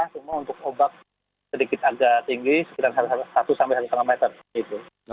cuma untuk ombak sedikit agak tinggi sekitar satu sampai satu lima meter